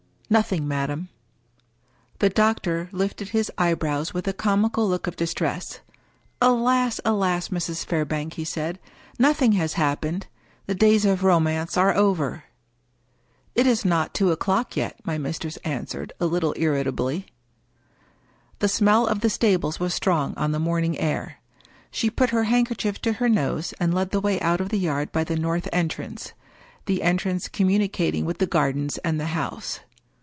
" Nothing, madam." The doctor lifted his eyebrows with a comical look of distress. " Alas, alas, Mrs. Fairbank 1 " he said. " Nothing has happened I The days of romance are over !"" It is not two o'clock yet," my mistress answered, a little irritably. The smell of the stables was strong on the morning air. She put her handkerchief to her nose and led the way out of the yard by the north entrance — the entrance communi cating with the gardens and the house.